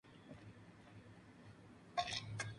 El panal puede tener un metro de largo.